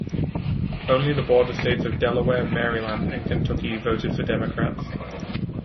Only the border states of Delaware, Maryland, and Kentucky voted for Democrats.